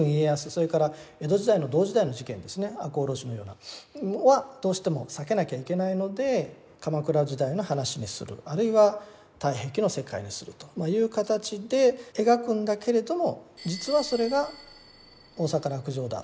それから江戸時代の同時代の事件ですね赤穂浪士のようなのはどうしても避けなきゃいけないので鎌倉時代の話にするあるいは「太平記」の世界にするという形で描くんだけれども実はそれが「大坂落城だ」